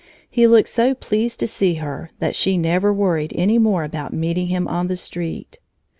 He looked so pleased to see her that she never worried any more about meeting him on the street.